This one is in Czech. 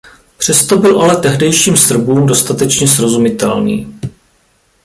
Přesto byl ale tehdejším Srbům dostatečně srozumitelný.